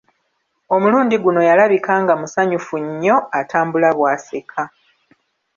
Omulundi guno yalabika nga musanyufu nnyo, atambula bw'aseka.